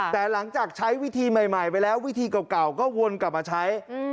แต่หลังจากใช้วิธีใหม่ไปแล้ววิธีเก่าก็วนกลับมาใช้